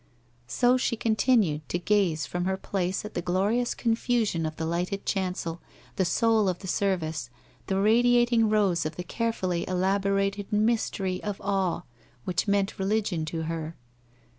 So she continued to gaze from her place at the glorious confusion of the lighted chancel, the soul of the service, the radiating rose of the carefully elaborated mystery of awe which meant religion to her.